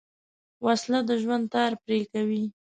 وسله د ژوند تار پرې کوي